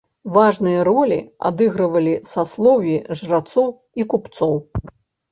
Важныя ролі адыгрывалі саслоўі жрацоў і купцоў.